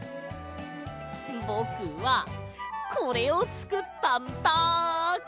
ぼくはこれをつくったんだ！